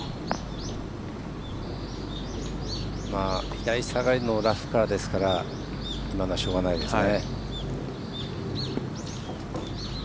左下がりのラフからですから今のはしょうがないですね。